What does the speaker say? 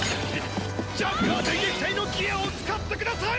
ジャッカー電撃隊のギアを使ってください！